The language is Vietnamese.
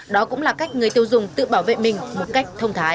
đó cũng là cách người tiêu dùng tự bảo vệ mình một cách thông thái